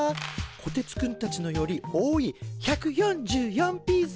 こてつくんたちのより多い１４４ピース！